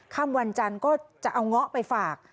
ค่ำวันจันทร์ก็จะเอาเงาะไปฝาก